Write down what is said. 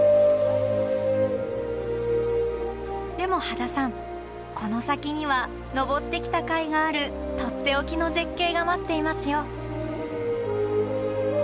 でも羽田さんこの先には上ってきたかいがあるとっておきの絶景が待っていますよ。